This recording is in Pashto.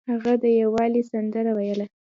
هغه د یووالي سندره ویله.